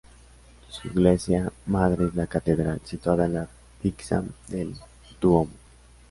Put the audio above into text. Su iglesia madre es la Catedral, situada en la Piazza del Duomo.